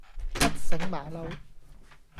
甩繩馬騮